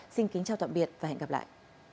xin kính chào tạm biệt và hẹn gặp lại